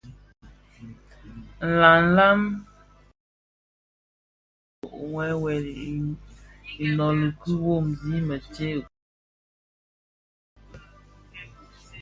Nlanlan tibaňa ti bë wewel inoli ki womzi më ntsee kurak.